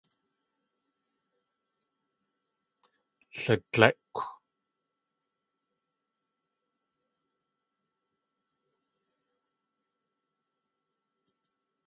Ladlékw!